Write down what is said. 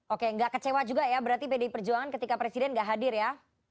oke nggak kecewa juga ya berarti pdi perjuangan ketika presiden nggak hadir ya